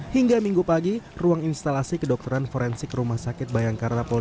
hingga minggu pagi ruang instalasi kedokteran forensik rumah sakit bayangkara polda